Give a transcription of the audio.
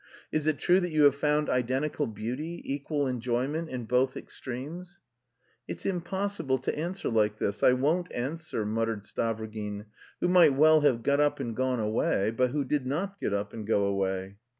Is it true that you have found identical beauty, equal enjoyment, in both extremes?" "It's impossible to answer like this.... I won't answer," muttered Stavrogin, who might well have got up and gone away, but who did not get up and go away.